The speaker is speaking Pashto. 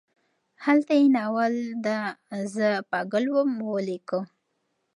هلته یې ناول دا زه پاګل وم ولیکه.